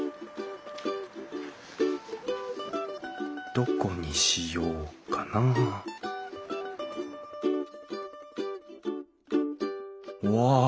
どこにしようかなうわ